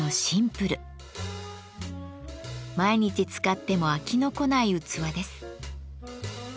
毎日使っても飽きの来ない器です。